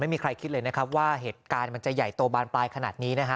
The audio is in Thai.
ไม่มีใครคิดเลยนะครับว่าเหตุการณ์มันจะใหญ่โตบานปลายขนาดนี้นะฮะ